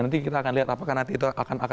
nanti kita akan lihat apakah nanti akan akad semua